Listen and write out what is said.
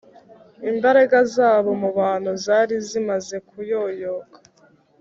. Imbaraga zabo mu bantu zari zimaze kuyoyoka